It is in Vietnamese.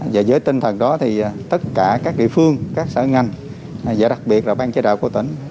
và với tinh thần đó thì tất cả các địa phương các sở ngành và đặc biệt là ban chế đạo của tỉnh